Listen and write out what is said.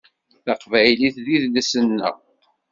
Taqbaylit d idles-nneɣ.